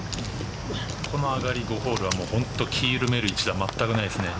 ここの上がり５ホールは本当に気を緩める一打まったくないですね。